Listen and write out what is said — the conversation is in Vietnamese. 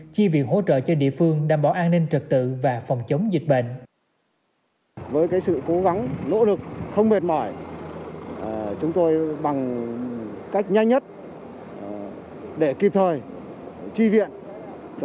chi viện hỗ trợ cho địa phương đảm bảo an ninh trật tự và phòng chống dịch bệnh